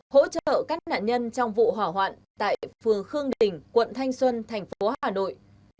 hỗ trợ các nạn nhân trong vụ hỏa hoạn tại phường khương đình quận thanh xuân thành phố hà nội